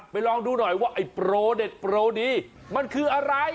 ลองดูหน่อยว่าไอ้โปรเด็ดโปรดีมันคืออะไร